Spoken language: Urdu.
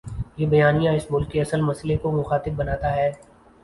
یہ بیانیہ اس ملک کے اصل مسئلے کو مخاطب بناتا ہے۔